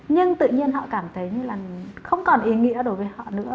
nhưng tự nhiên họ cảm thấy như là không còn ý nghĩa đối với họ nữa